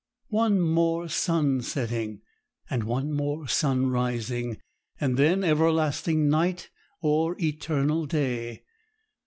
One more sun setting, and one more sun rising, and then everlasting night, or eternal day!